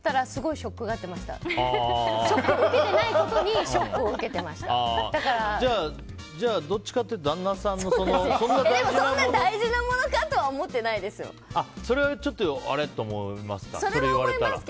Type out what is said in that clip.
ショックを受けていないことにじゃあ、どっちかっていうとそんな大事なものかとはそれはちょっとあれ？と思いますか。